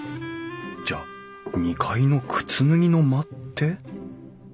じゃあ２階の靴脱ぎの間って？